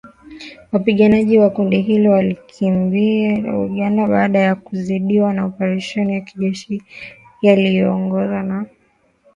Wapiganaji wa kundi hilo walikimbilia Uganda baada ya kuzidiwa na operesheni ya kijeshi yaliyoongozwa na wanajeshi wa Tanzania,